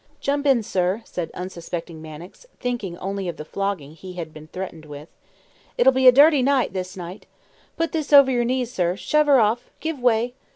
"Jump in, sir," said unsuspecting Mannix, thinking only of the flogging he had been threatened with. "It'll be a dirty night, this night! Put this over your knees, sir. Shove her off! Give way!"